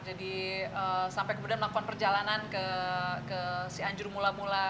jadi sampai kemudian melakukan perjalanan ke si anjur mula mula